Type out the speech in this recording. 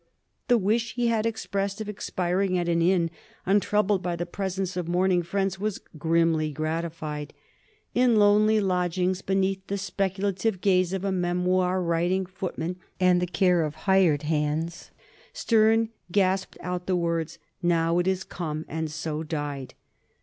The wish he had expressed of expiring at an inn untroubled by the presence of mourn ing friends was grimly gratified. In lonely lodgings, be neath the speculative gaze of a memoir writing footman and the care of hired hands, Sterne gasped out the words, "Now it is come 1" and so died.